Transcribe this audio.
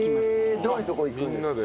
どういう所行くんですか？